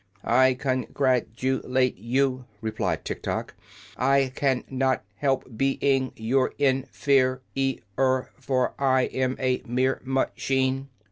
"I con grat u late you," replied Tiktok. "I can not help be ing your in fer i or for I am a mere ma chine.